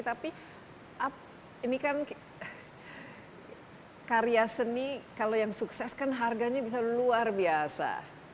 tapi ini kan karya seni kalau yang sukses kan harganya bisa luar biasa